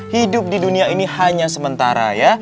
hidup di dunia ini hanya sementara ya